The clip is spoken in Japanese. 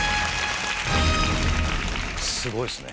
すごいですね。